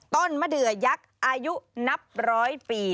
ต้นมะเดือยักษ์อายุนับร้อยปี